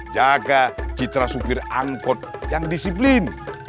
jaga citra supir angkot yang disiplin